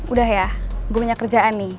udah ya gue punya kerjaan nih